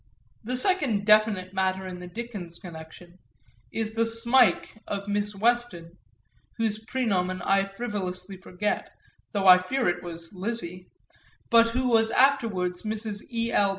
The second definite matter in the Dickens connection is the Smike of Miss Weston whose prænomen I frivolously forget (though I fear it was Lizzie,) but who was afterwards Mrs. E. L.